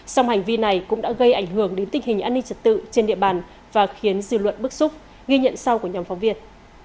xong hành vi này cũng đã gây ảnh hưởng đến tình hình an ninh trật tự trên địa bàn và khiến dư luận bức xúc ghi nhận sau của nhóm phóng viên